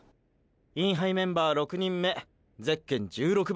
インハイメンバー６人目ゼッケン１６番だな。